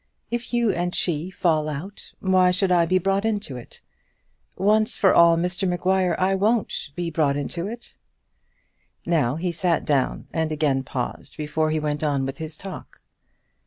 If you and she fall out why should I be brought into it? Once for all, Mr Maguire, I won't be brought into it." Now he sat down and again paused before he went on with his talk.